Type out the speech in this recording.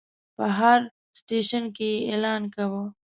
په هر سټیشن کې یې اعلان کاوه.